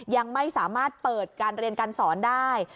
ยังไม่สามารถเปิดการเรียนการสอนได้